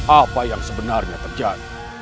apa yang sebenarnya terjadi